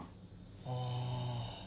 ああ。